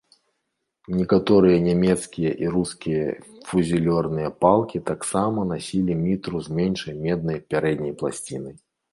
Некаторыя нямецкія і рускія фузілёрные палкі таксама насілі мітру з меншай меднай пярэдняй пласцінай.